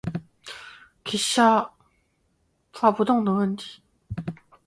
机车发不动的问题